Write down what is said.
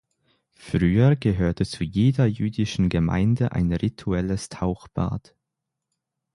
Früher gehörte zu jeder jüdischen Gemeinde ein rituelles Tauchbad.